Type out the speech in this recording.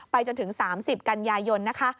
ไปจนถึง๓๐กันยายน